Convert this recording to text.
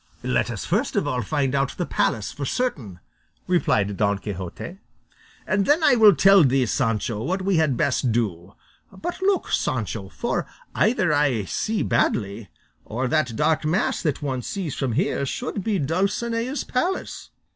"Let us first of all find out the palace for certain," replied Don Quixote, "and then I will tell thee, Sancho, what we had best do; but look, Sancho, for either I see badly, or that dark mass that one sees from here should be Dulcinea's palace."